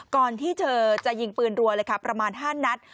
ก่อนที่เธอจะยิงปืนรัวเลยค่ะประมาณ๕นัด